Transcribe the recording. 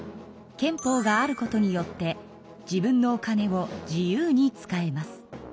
憲法があることによって自分のお金を自由に使えます。